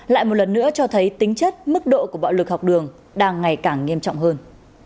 lại một lần nữa cho thấy tính chất mức độ của bạo lực học đường đang ngày càng nghiêm trọng hơn